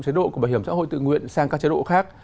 chế độ của bảo hiểm xã hội tự nguyện sang các chế độ khác